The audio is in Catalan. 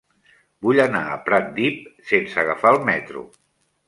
Vull anar a Pratdip sense agafar el metro.